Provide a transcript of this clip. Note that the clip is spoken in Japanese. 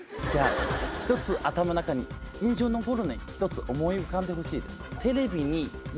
１つ頭の中に印象に残るの思い浮かんでほしいです。